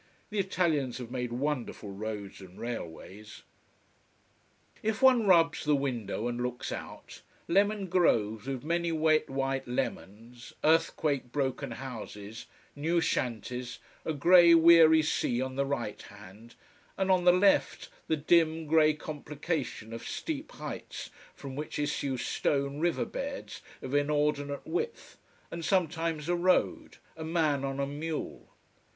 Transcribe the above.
The Italians have made wonderful roads and railways. If one rubs the window and looks out, lemon groves with many wet white lemons, earthquake broken houses, new shanties, a grey weary sea on the right hand, and on the left the dim, grey complication of steep heights from which issue stone river beds of inordinate width, and sometimes a road, a man on a mule.